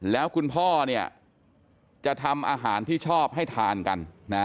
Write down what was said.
แล้วคุณพ่อเนี่ยจะทำอาหารที่ชอบให้ทานกัน